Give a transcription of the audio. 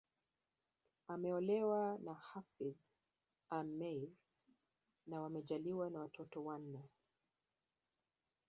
Ameolewa na Hafidh Ameir na wamejaaliwa watoto wanne